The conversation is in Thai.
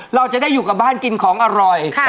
เราจะได้อยู่กับบ้านกินของอร่อย